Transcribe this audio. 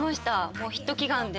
もうヒット祈願で。